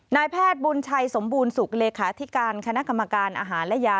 นายแพทย์บุญชัยสมบูรณสุขเลขาธิการคณะกรรมการอาหารและยา